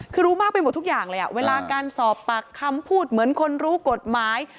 คือรู้มากไปหมดทุกอย่างเลยเวลาการสอบปากคำพูดเหมือนคนรู้กฎหมาย